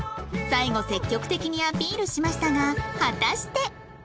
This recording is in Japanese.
最後積極的にアピールしましたが果たして